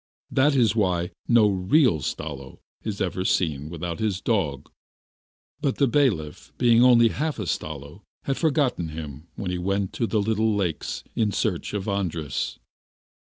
That is why no REAL Stalo is ever seen without his dog; but the bailiff, being only half a Stalo, had forgotten him, when he went to the little lakes in search of Andras.